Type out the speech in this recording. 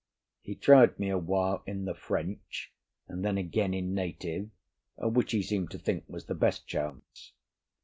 He tried me awhile in the French, and then again in native, which he seemed to think was the best chance.